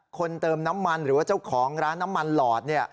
เติมน้ำมันหรือว่าเจ้าของร้านน้ำมันหลอด